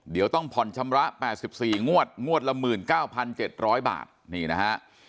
เดี๋ยวต้องผ่อนชำระ๘๔งวดงวดละ๑๙๗๐๐บาทนี่นะฮะ